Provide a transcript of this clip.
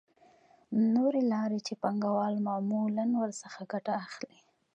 نورې لارې چې پانګوال معمولاً ورڅخه ګټه اخلي